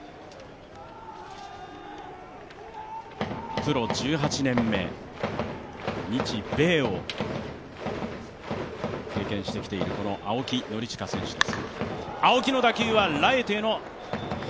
プロ１８年目、日米を経験してきている青木宣親選手です。